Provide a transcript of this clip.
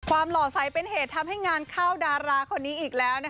หล่อใสเป็นเหตุทำให้งานเข้าดาราคนนี้อีกแล้ว